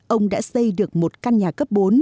ông đã xây được một căn nhà cấp bốn